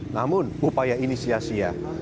namun upaya ini sia sia